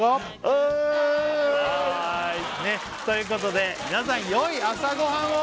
はーいねっということで皆さんよい朝ごはんを！